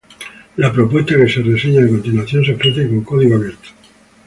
Las propuestas que se reseñan a continuación se ofrecen con código abierto.